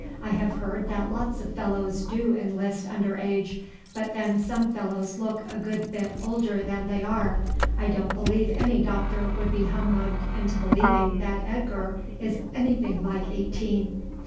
I have heard that lots of fellows do enlist under age, but then some fellows look a good bit older than they are. I don't believe any doctor would be humbugged into believing that Edgar is anything like eighteen."